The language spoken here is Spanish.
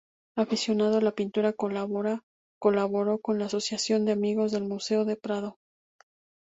Aficionado a la pintura, colaboró con la Asociación de amigos del museo del Prado.